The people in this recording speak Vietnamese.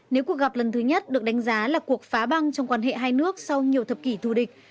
nếu cuộc gặp lần thứ nhất được đánh giá là cuộc phá băng trong quan hệ hai nước sau nhiều thập kỷ thù địch